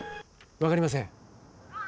分かりません。